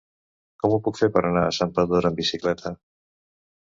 Com ho puc fer per anar a Santpedor amb bicicleta?